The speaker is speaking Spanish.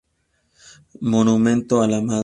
Monumento a la madre.